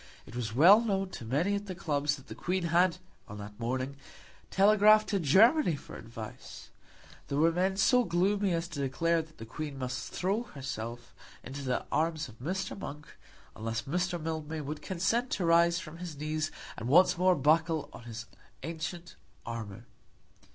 It was well known to many at the clubs that the Queen had on that morning telegraphed to Germany for advice. There were men so gloomy as to declare that the Queen must throw herself into the arms of Mr. Monk, unless Mr. Mildmay would consent to rise from his knees and once more buckle on his ancient armour.